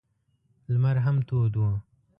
لمر هم تود و.